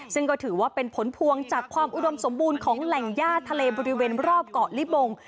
ซึ่งก็ถือว่าเป็นผลพวงจากความอุดมสมบูรณ์ของแหล่งย่าทะเลบริเวณรอบเกาะลิบง